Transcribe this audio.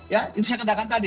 ya itu saya katakan tadi